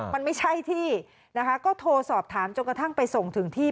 มันไม่ใช่ที่นะคะก็โทรสอบถามจนกระทั่งไปส่งถึงที่